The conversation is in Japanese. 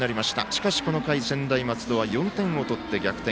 しかし、この回専大松戸は４点を取って逆転。